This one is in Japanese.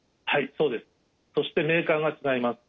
そしてメーカーが違います。